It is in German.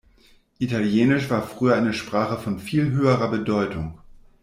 Italienisch war früher eine Sprache von viel höherer Bedeutung.